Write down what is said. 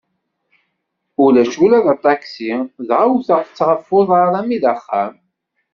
Ulac ula d aṭaksi, dɣa wteɣ-tt ɣef uḍar armi d axxam.